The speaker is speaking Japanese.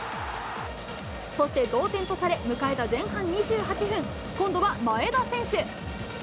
そして同点とされ、迎えた前半２８分、今度は前田選手。